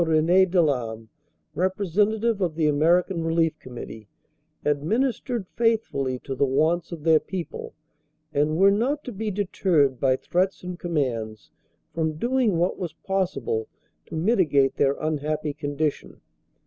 Rene Delame, representative of the Ameri can Relief Committee, administered faithfully to the wants of their people and were not to be deterred by threats and com mands from doing what was possible to mitigate their un happy condition.